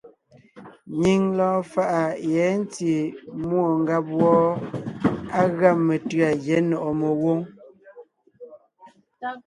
Nyìŋ lɔɔn faʼa yɛ̌ ntí múɔ ngáb wɔ́ɔ, á gʉa metʉ̌a Gyɛ̌ Nɔ̀ʼɔ Megwǒŋ.